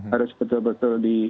harus betul betul dikonsultasi